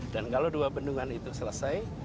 dan kalau dua bendungan itu selesai